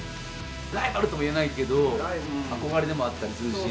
ライバルとも言えないけど憧れでもあったりするし。